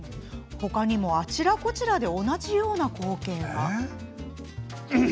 他にも、あちらこちらで同じような光景が。